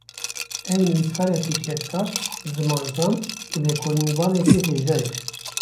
Ew, nivîskarekî kedkar, zimanzan û lêkolînvanekî hêja ye